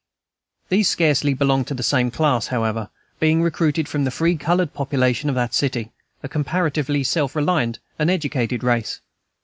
These scarcely belonged to the same class, however, being recruited from the free colored population of that city, a comparatively self reliant and educated race.